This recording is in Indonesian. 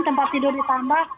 tempat tidur ditambah